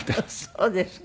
そうですか。